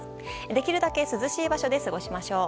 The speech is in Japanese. できるだけ涼しい場所で過ごしましょう。